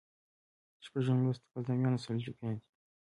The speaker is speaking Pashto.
شپږم لوست غزنویان او سلجوقیان دي.